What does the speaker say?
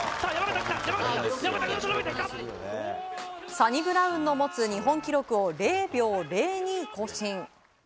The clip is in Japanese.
サニブラウンの持つ日本記録を０秒０２更新。